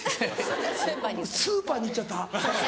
スーパーに行っちゃった？